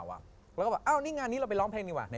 ว่าเอ้านี้งานนี้เราไปร้องเพลงเอง